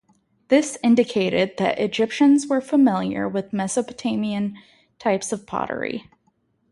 This indicated that Egyptians were familiar with Mesopotamian types of pottery.